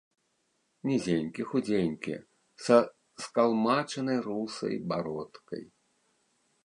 Нізенькі, худзенькі, са скалмачанай русай бародкай.